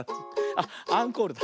あっアンコールだ。